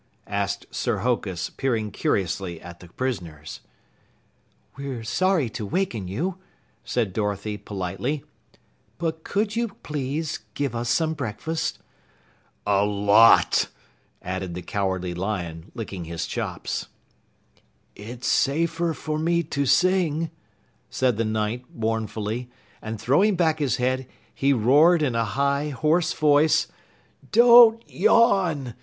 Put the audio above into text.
asked Sir Hokus, peering curiously at the prisoners. "We're sorry to waken you," said Dorothy politely, "but could you please give us some breakfast?" "A lot!" added the Cowardly Lion, licking his chops. "It's safer for me to sing," said the Knight mournfully, and throwing back his head, he roared in a high, hoarse voice: "Don't yawn!